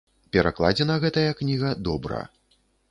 Перакладзена гэтая кніга добра.